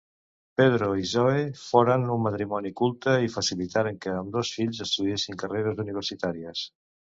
Pedro i Zoe foren un matrimoni culte i facilitaren que ambdós fills estudiessin carreres universitàries.